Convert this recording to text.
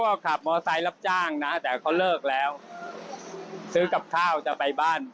ก็ขับมอเซล์รับจ้างนะแต่เขาเลิกแล้วซื้อกับข้าวจะไปบ้าน